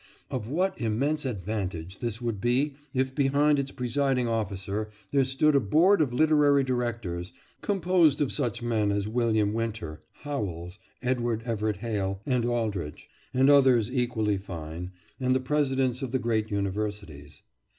Of what immense advantage this would be if behind its presiding officer there stood a board of literary directors, composed of such men as William Winter, Howells, Edward Everett Hale, and Aldrich, and others equally fine, and the presidents of the great universities.